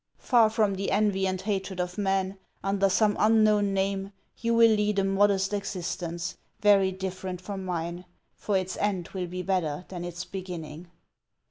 Far from the envy and hatred of men, under some unknown name, you will lead a modest existence, very different from mine, for its end will be better than its beginning."